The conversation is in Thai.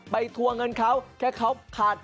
ไปทัวร์เงินเขาแค่เขาผ่าตรง๒งวด